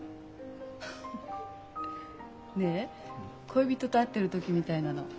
フフッねえ恋人と会ってる時みたいなの。